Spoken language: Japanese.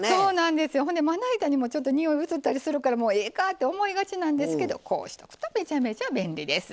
ほんでまな板にもちょっとにおい移ったりするからもうええかって思いがちなんですけどこうしとくとめちゃめちゃ便利です。